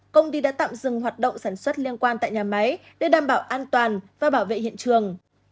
công ty đã tạm dừng hoạt động sản xuất liên quan tại nhà máy để đảm bảo an toàn và bảo vệ hiện trường